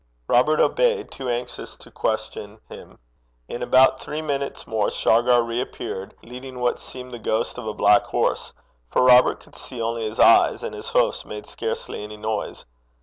Robert obeyed, too anxious to question him. In about three minutes more Shargar reappeared, leading what seemed the ghost of a black horse; for Robert could see only his eyes, and his hoofs made scarcely any noise.